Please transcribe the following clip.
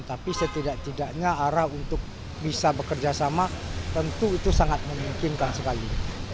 tapi setidak tidaknya arah untuk bisa bekerja sama tentu itu sangat memungkinkan sekali